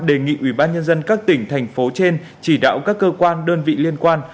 đề nghị ủy ban nhân dân các tỉnh thành phố trên chỉ đạo các cơ quan đơn vị liên quan